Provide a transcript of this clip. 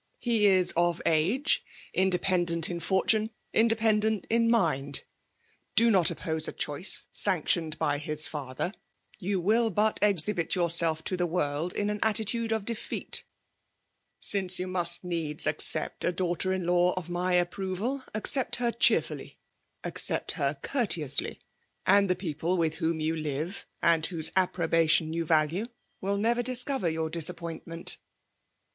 He is of age» 3Sbl FEITALIC DOMIKATION. hidependcnit in fortune, independent in mind. Do nofc <^pose a choice sanctioned bj hk fiither; you will but exhibit yourself to the world in an attitude of defeat : since you nnist needs accept a daughter in law of my approval, accept her cheerfully, accept her courteously ; and the people with whom you live and whose approbation you value, will never discover your disappointment."